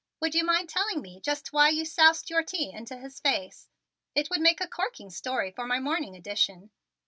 Would you mind telling me just why you soused your tea into his face? It would make a corking story for my morning edition.